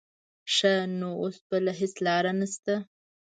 ښه نو اوس بله هېڅ لاره نه شته.